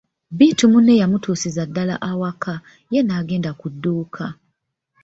Bittu munne yamutusiza ddala ewaka , ye n'agenda ku dduuka.